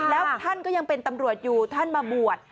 แล้วท่านก็ยังเป็นตำรวจอยู่ท่านมาบวช